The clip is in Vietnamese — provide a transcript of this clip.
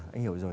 anh hiểu rồi